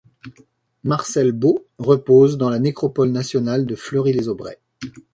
Marcel Beau repose dans la nécropole nationale de Fleury-les-Aubrais.